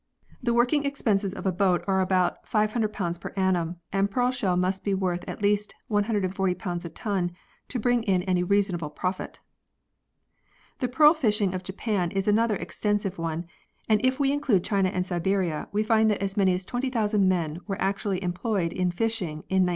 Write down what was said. The working expenses of a boat are about 500 per annum and pearl shell must be worth at least 140 a ton to bring in any reasonable profit. The pearl fishing of Japan is another extensive one, and if we include China and Siberia we find that as many as 20,000 men were actually em ployed in fishing in 1906.